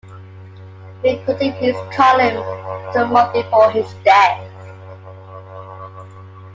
He continued his column until a month before his death.